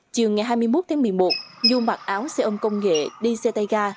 chiều ngày hai mươi một tháng một mươi một nhu mặc áo xe ôm công nghệ đi xe tay ga